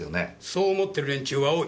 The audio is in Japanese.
そう思ってる連中は多い。